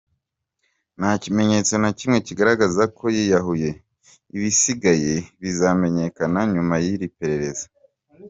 Nta kimenyetso na kimwe kigaragaza ko yiyahuye,…ibisigaye bizamenyekana nyuma y’iperereza.